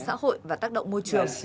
các tác động xã hội và tác động môi trường